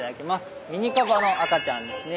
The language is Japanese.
ミニカバの赤ちゃんですね。